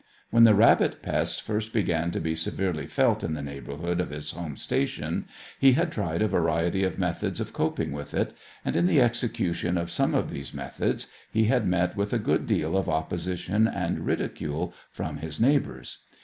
When the rabbit pest first began to be severely felt in the neighbourhood of his home station, he had tried a variety of methods of coping with it, and in the execution of some of these methods he had met with a good deal of opposition and ridicule from his neighbours.